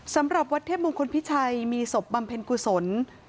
สำหรับวัดเทพมงคลพิชัยมีศพบำเพ็ญกุศล